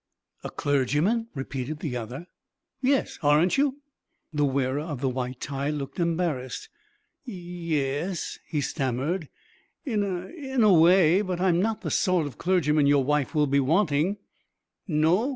"A clergyman!" repeated the other. "Yes aren't you?" The wearer of the white tie looked embarrassed. "Ye es," he stammered. "In a in a way. But I'm not the sort of clergyman your wife will be wanting." "No?"